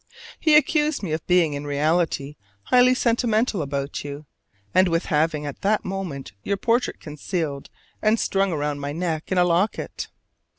He accused me of being in reality highly sentimental about you, and with having at that moment your portrait concealed and strung around my neck in a locket.